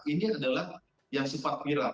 ini adalah yang sifat viral